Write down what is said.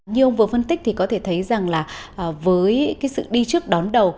như ông vừa phân tích thì có thể thấy rằng là với cái sự đi trước đón đầu